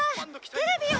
テレビを。